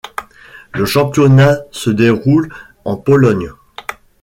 Le championnat se déroule en Pologne.